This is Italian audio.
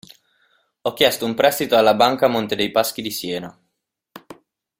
Ho chiesto un prestito alla banca Monte dei Paschi di Siena.